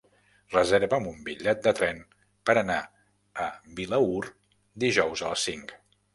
Reserva'm un bitllet de tren per anar a Vilaür dijous a les cinc.